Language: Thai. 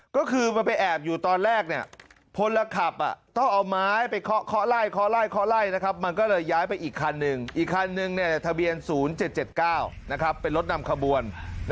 ก็คือมันไปแอบอยู่ตอนแรกพลขับต้องเอาไม้ไปเคาะไล่เคาะไล่เคาะไล่มันก็เลยย้ายไปอีกคันหนึ่งอีกคันนึงทะเบียน๐๗๗๙เป็นรถนำขบวน